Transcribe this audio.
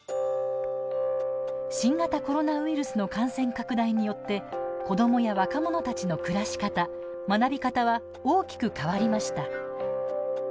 新型コロナウイルスの感染拡大によって子どもや若者たちの暮らし方学び方は大きく変わりました。